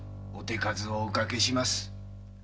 お手数をおかけします。